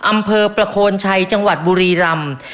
อำเภอประโคนชัยจังหวัดบุรีรำ